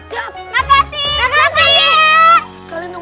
ya ustazah siap